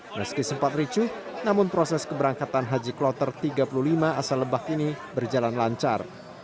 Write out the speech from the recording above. meski sempat ricuh namun proses keberangkatan haji kloter tiga puluh lima asal lebak ini berjalan lancar